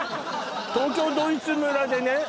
東京ドイツ村でね